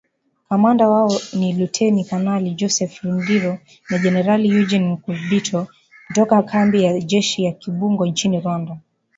Kamanda wao ni Luteni Kanali Joseph Rurindo na Generali Eugene Nkubito, kutoka kambi ya kijeshi ya Kibungo nchini Rwanda